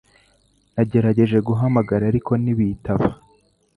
Nagerageje guhamagara ariko ntibitaba